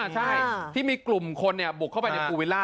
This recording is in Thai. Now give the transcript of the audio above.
ใช่ที่มีกลุ่มคนบุกเข้าไปในภูวิลล่า